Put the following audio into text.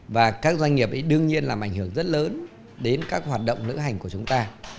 và các doanh nghiệp đương nhiên làm ảnh hưởng rất lớn đến các hoạt động lữ hành của chúng ta